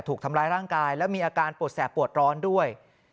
ถูกทำร้ายร่างกายแล้วมีอาการปวดแสบปวดร้อนด้วย